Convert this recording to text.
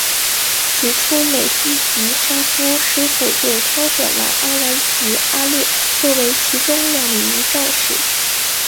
起初美希及沙夫师傅早就挑选了阿兰及阿烈作为其中两名战士。